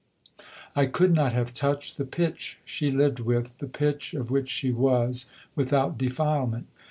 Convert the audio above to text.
I could not have touched the pitch she lived with, the pitch of which she was, without defilement.